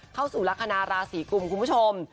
เข้าสู่ลักษณะราศีกุมคุณผู้ชม